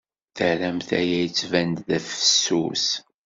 Terramt aya yettban-d fessus.